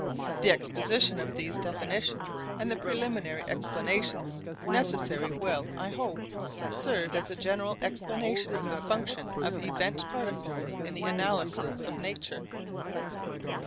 The exposition of these definitions and the preliminary explanations necessary will, I hope, serve as a general explanation of the function of event particles in the analysis of nature.